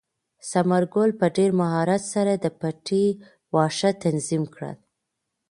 ثمر ګل په ډېر مهارت سره د پټي واښه تنظیم کړل.